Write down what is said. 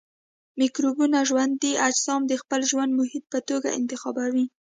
مکروبونه ژوندي اجسام د خپل ژوند محیط په توګه انتخابوي.